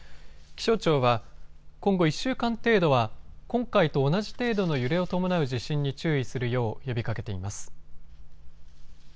気象庁は今後１週間程度は今回と同じ程度の揺れを伴う地震に注意するよう呼びかけています。